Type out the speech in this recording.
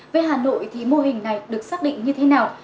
về hà nội thì mô hình này được xác định như thế nào